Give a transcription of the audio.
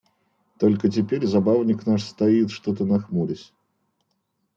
Только теперь забавник наш стоит что-то нахмурясь.